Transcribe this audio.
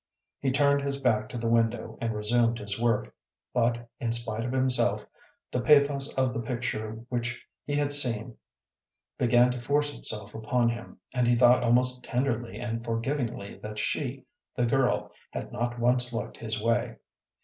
He turned his back to the window and resumed his work, but, in spite of himself, the pathos of the picture which he had seen began to force itself upon him, and he thought almost tenderly and forgivingly that she, the girl, had not once looked his way.